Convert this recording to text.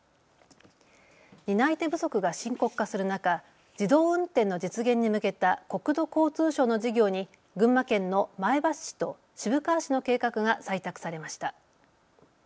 担い手不足が深刻化する中、自動運転の実現に向けた国土交通省の事業に群馬県の前橋市と渋川市の計画が採択されました。